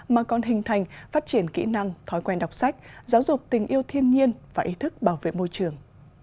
mà còn hình thành phát triển kỹ năng thói quen đọc sách giáo dục tình yêu thiên nhiên và ý thức bảo vệ môi trường